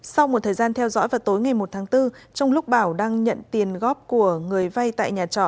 sau một thời gian theo dõi vào tối ngày một tháng bốn trong lúc bảo đang nhận tiền góp của người vay tại nhà trọ